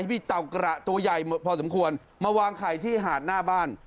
มีเต่ากระตัวใหญ่พอสมควรมาวางไข่ที่หาดหน้าบ้าน